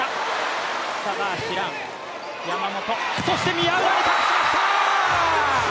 宮浦に託しました！